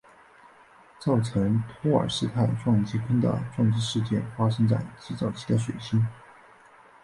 造成托尔斯泰撞击坑的撞击事件发生在极早期的水星。